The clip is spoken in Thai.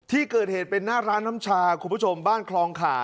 ที่เกิดเหตุเป็นหน้าร้านน้ำชาคุณผู้ชมบ้านคลองขา